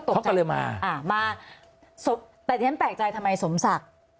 เขาก็ตกใจมาชอบไปเลยอ่าแต่ฉะนั้นแปลกใจทำไมสมศักดิ์